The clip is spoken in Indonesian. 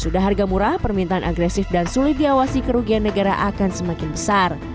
sudah harga murah permintaan agresif dan sulit diawasi kerugian negara akan semakin besar